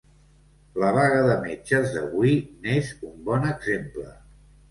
La vaga de metges d’avui n’és un bon exemple.